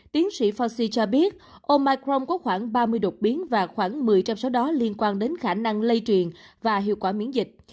tiến sĩ fasi cho biết omicron có khoảng ba mươi đột biến và khoảng một mươi trong số đó liên quan đến khả năng lây truyền và hiệu quả miễn dịch